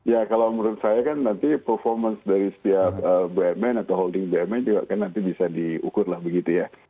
ya kalau menurut saya kan nanti performance dari setiap bumn atau holding bumn juga kan nanti bisa diukur lah begitu ya